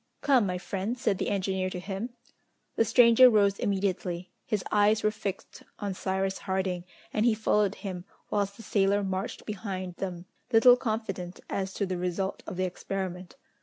"Come, my friend," said the engineer to him. The stranger rose immediately. His eyes were fixed on Cyrus Harding, and he followed him, whilst the sailor marched behind them, little confident as to the result of the experiment.